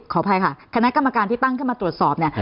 ขออภัยค่ะคณะกรรมการที่ตั้งขึ้นมาตรวจสอบเนี่ย